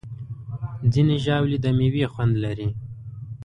ځینې ژاولې د میوې خوند لري.